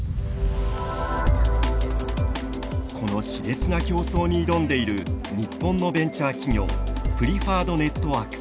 このしれつな競争に挑んでいる日本のベンチャー企業プリファードネットワークス。